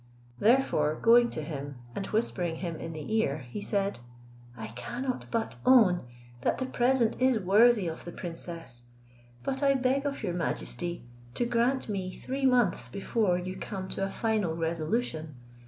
Therefore going to him, and whispering him in the ear, he said, "I cannot but own that the present is worthy of the princess; but I beg of your majesty to grant me three months before you come to a final resolution.